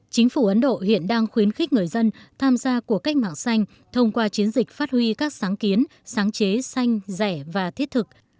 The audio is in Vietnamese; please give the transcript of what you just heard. chính phủ ấn độ hiện đang khuyến khích người dân tham gia cuộc cách mạng xanh thông qua chiến dịch phát huy các sáng kiến sáng chế xanh rẻ và thiết thực